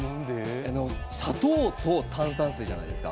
砂糖と炭酸水じゃないですか。